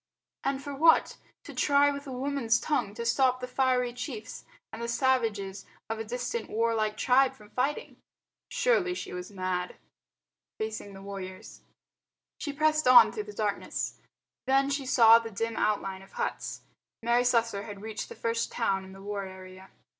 And for what? To try with a woman's tongue to stop the fiery chiefs and the savages of a distant warlike tribe from fighting. Surely she was mad. Facing the Warriors She pressed on through the darkness. Then she saw the dim outlines of huts. Mary Slessor had reached the first town in the war area.